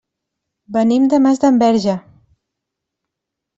Venim de Masdenverge.